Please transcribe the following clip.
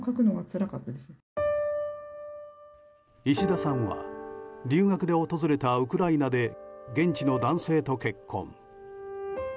石田さんは留学で訪れたウクライナで現地の男性と結婚。